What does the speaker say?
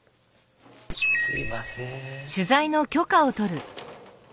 すいません。